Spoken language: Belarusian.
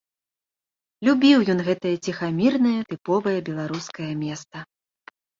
Любіў ён гэтае ціхамірнае тыповае беларускае места.